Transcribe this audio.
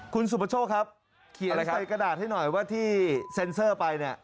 คุณสุประโชคครับขี่อะไรใส่กระดาษให้หน่อยว่าที่เซ็นเซอร์ไปเนี่ย